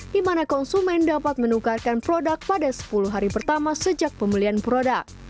di mana konsumen dapat menukarkan produk pada sepuluh hari pertama sejak pembelian produk